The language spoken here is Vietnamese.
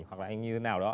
hoặc là anh như thế nào đó